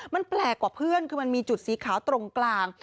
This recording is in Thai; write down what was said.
มันแปลกกว่าเพื่อนคือมันมีจุดสีขาวตรงกลาง